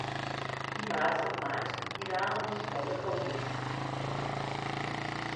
Dimarts en Max irà a Monistrol de Calders.